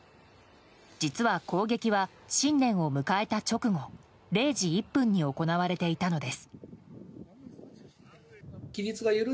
実は、攻撃は新年を迎えた直後０時１分に行われていたのです。